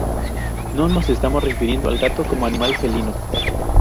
no nos estamos refiriendo al gato como animal felino